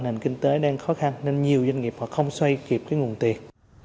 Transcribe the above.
nền kinh tế đang khó khăn nên nhiều doanh nghiệp họ không xoay kịp cái nguồn tiền